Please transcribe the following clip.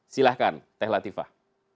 silahkan teh latifah